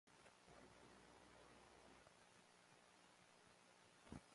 Recibió el al mejor diseño de empaque por el diseño del ilustrador Sergio Mora.